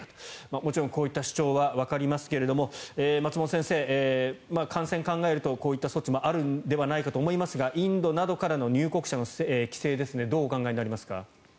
もちろんこういった主張はわかりますが松本先生、感染を考えるとこういった措置もあるんではないかと思いますがインドなどからの入国者の規制どうお考えになりますか？